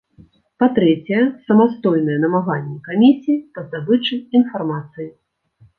Па-трэцяе, самастойныя намаганні камісіі па здабычы інфармацыі.